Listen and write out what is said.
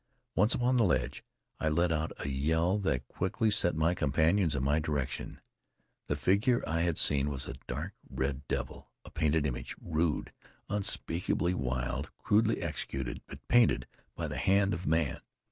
Once upon the ledge, I let out a yell that quickly set my companions in my direction. The figure I had seen was a dark, red devil, a painted image, rude, unspeakably wild, crudely executed, but painted by the hand of man.